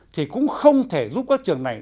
thì cũng không thể giúp các trường này